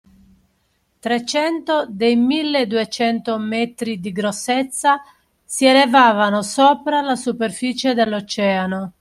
Trecento dei milleduecento metri di grossezza, si elevavano sopra la superficie dell’Oceano.